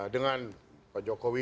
dengan pak jokowi